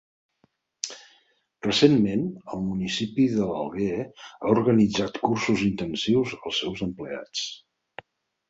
Recentment, el municipi de l'Alguer ha organitzat cursos intensius als seus empleats.